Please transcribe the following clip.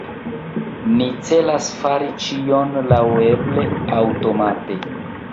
Ni celas fari ĉion laŭeble aŭtomate.